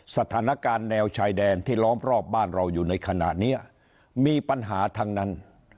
สถานการณ์แนวชายแดนที่ล้อมรอบบ้านเราอยู่ในขณะนี้มีปัญหาทั้งนั้น